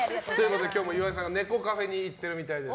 今日も岩井さんがネコカフェに行ってるみたいです。